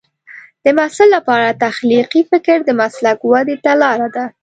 د محصل لپاره تخلیقي فکر د مسلک ودې ته لار ده.